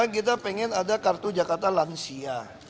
kan kita ingin ada kartu jakarta lansia